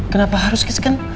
kenapa harus cash kan